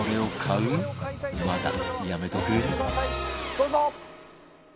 どうぞ！